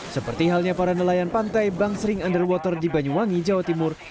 seperti halnya para nelayan pantai bangsering underwater di banyuwangi jawa timur